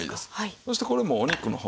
そしてこれもうお肉の方。